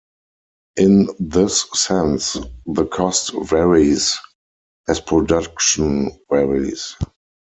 In this sense, the cost "varies" as production varies.